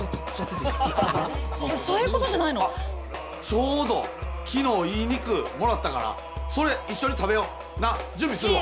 ちょうど昨日いい肉もらったからそれ一緒に食べよ。なあ？準備するわ。